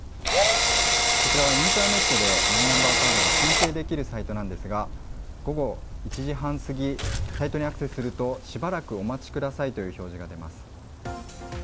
こちらは、インターネットでマイナンバーカードが申請できるサイトなんですが午後１時半過ぎサイトにアクセスするとしばらくお待ちくださいという表示が出ます。